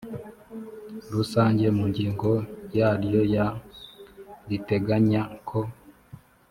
rusange mu ngingo yaryo ya riteganya ko